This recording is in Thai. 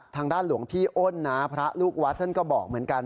ทางด้านลุงพี่โอนพระลูกวัฒน์เขาก็บอกเหมือนกัน